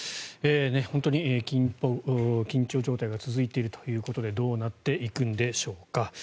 本当に緊張状態が続いているということでどうなっていくんでしょうか。